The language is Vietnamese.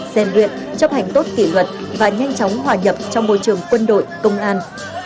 gian luyện chấp hành tốt kỷ luật và nhanh chóng hòa nhập trong môi trường quân đội công an